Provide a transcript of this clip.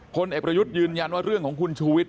พลเอกประยุทธ์ยืนยันว่าเรื่องของคุณชูวิทย